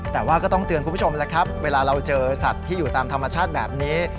แต่ว่าก็ต้องเตือนคุณผู้ชมแล้วครับเวลาเราเจอสัตว์ที่อยู่ตามธรรมชาติแบบนี้